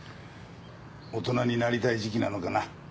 大人になりたい時期なのかな？